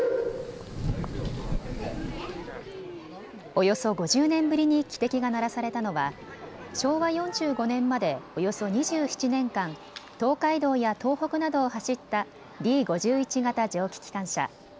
およそ５０年ぶりに汽笛が鳴らされたのは昭和４５年までおよそ２７年間、東海道や東北などを走ったＤ５１形蒸気機関車。